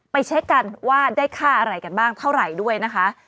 เช็คกันว่าได้ค่าอะไรกันบ้างเท่าไหร่ด้วยนะคะ